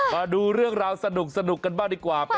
มาดูเรื่องราวสนุกกันบ้างดีกว่า